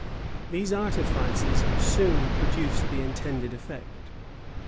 These artifices soon produced the intended effect.